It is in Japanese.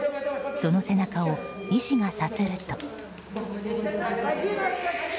その背中を医師がさすると。